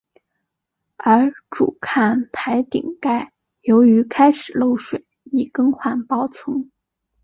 而主看台顶盖由于开始漏水亦更换包层。